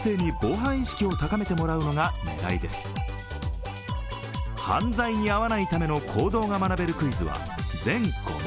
犯罪に遭わないための行動が学べるクイズは全５問。